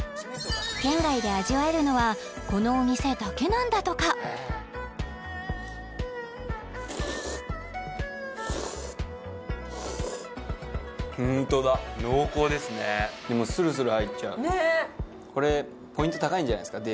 県外で味わえるのはこのお店だけなんだとかホントだ濃厚ですねでもするする入っちゃうこれポイント高いんじゃないですか？